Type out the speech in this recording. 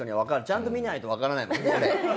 ちゃんと見ないと分からないもんねあれ。